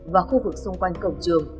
và khu vực xung quanh cổng trường